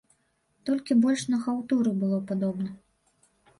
Толькі больш на хаўтуры было падобна.